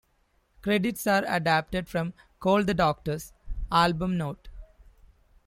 Credits are adapted from "Call the Doctor"s album notes.